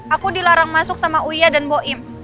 aku dilarang masuk sama uya dan boim